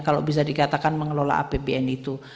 kalau bisa dikatakan mengelola apbn itu